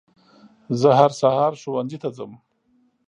زه هر سهار ښوونځي ته ځم